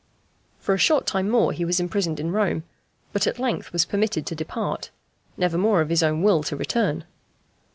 For a short time more he was imprisoned in Rome; but at length was permitted to depart, never more of his own will to return.